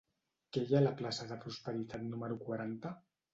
Què hi ha a la plaça de Prosperitat número quaranta?